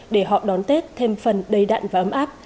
để họ đón tết thêm phần đầy đặn và ấm áp